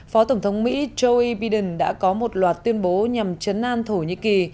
phó tổng thống mỹ joe biden đã có một loạt tuyên bố nhằm chấn an thổ nhĩ kỳ